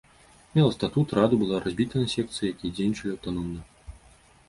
Мела статут, раду, была разбіта на секцыі, якія дзейнічалі аўтаномна.